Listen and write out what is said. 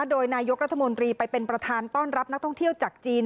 โดยนายกรัฐมนตรีไปเป็นประธานต้อนรับนักท่องเที่ยวจากจีน